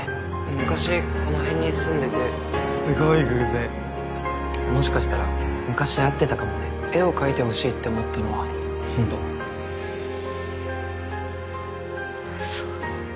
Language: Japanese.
昔この辺に住んでてすごい偶然もしかしたら昔会ってたかもね絵を描いてほしいって思ったのはホンウソ。